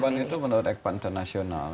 kalau korban itu menurut ekpat international